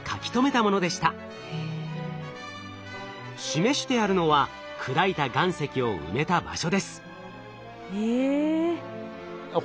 示してあるのは砕いた岩石を埋めた場所です。え。